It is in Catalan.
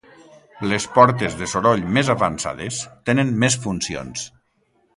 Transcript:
Les portes de soroll més avançades tenen més funcions.